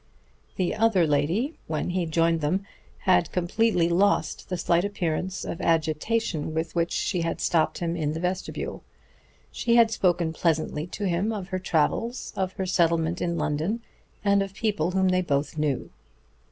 The other lady, when he joined them, had completely lost the slight appearance of agitation with which she had stopped him in the vestibule. She had spoken pleasantly to him of her travels, of her settlement in London and of people whom they both knew.